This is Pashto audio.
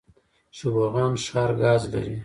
شبرغان ښار ګاز لري؟